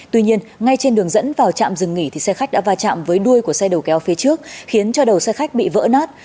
tuy nhiên ngay trên đường dẫn vào trạm dừng nghỉ xe khách đã va chạm với đuôi của xe đầu kéo phía trước khiến cho đầu xe khách bị vỡ nát